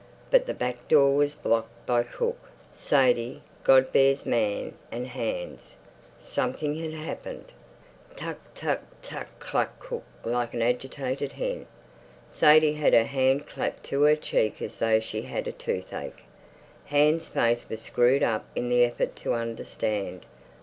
But the back door was blocked by cook, Sadie, Godber's man and Hans. Something had happened. "Tuk tuk tuk," clucked cook like an agitated hen. Sadie had her hand clapped to her cheek as though she had toothache. Hans's face was screwed up in the effort to understand.